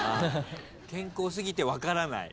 健康過ぎて分からない？